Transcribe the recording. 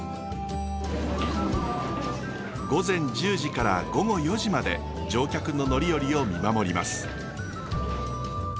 午前１０時から午後４時まで乗客の乗り降りを見守ります。